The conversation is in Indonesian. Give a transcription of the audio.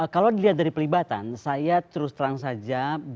kalau dilihat dari pelibatan saya terus terang saja